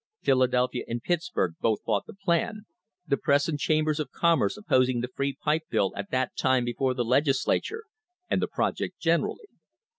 Philadelphia and Pitts burg both fought the plan, the press and chambers of com merce opposing the free pipe bill at that time before the Legis lature, and the project generally.